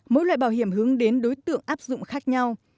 mỗi loại bảo hiểm hướng đến đối tượng áp dụng khác nhau